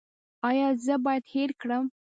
ایا زه باید هیر کړم؟